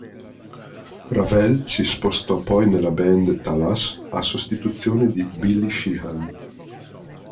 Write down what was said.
Ravel si spostò poi nella band Talas a sostituzione di Billy Sheehan.